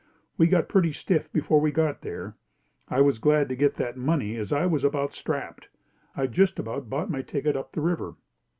We got pretty stiff before we got there. I was glad to get that money as I was about strapped. It just about bought my ticket up the river.